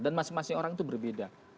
dan masing masing orang itu berbeda